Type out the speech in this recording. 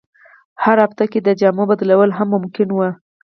هره اونۍ کې د جامو بدلول هم ممکن وو.